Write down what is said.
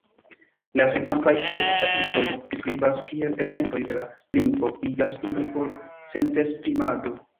La sekvantaj ses ĉapitroj priskribas, kiel elementoj de la lingvo iĝas iloj por sentesprimado.